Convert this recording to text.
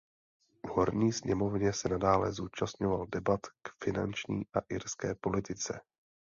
V Horní sněmovně se nadále zúčastňoval debat k finanční a irské politice.